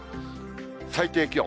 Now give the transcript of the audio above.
最低気温。